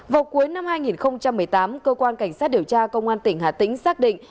vào cuối năm hai nghìn một mươi tám cơ quan cảnh sát điều tra công an tỉnh hà tĩnh xác định